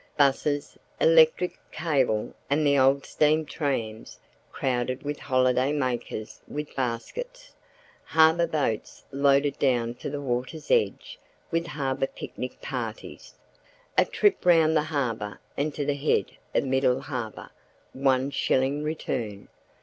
Buses, electric, cable and the old steam trams crowded with holiday makers with baskets. Harbour boats loaded down to the water's edge with harbour picnic parties. "A trip round the harbour and to the head of Middle Harbour one shilling return!"